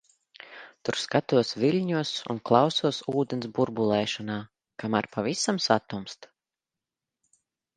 Tur skatos viļņos un klausos ūdens burbulēšanā, kamēr pavisam satumst.